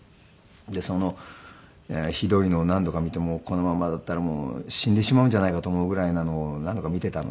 でそのひどいのを何度か見てこのままだったらもう死んでしまうんじゃないかと思うぐらいなのを何度か見ていたので。